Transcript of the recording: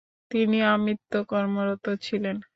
তিনি আমৃত্যু কর্মরত ছিলেন।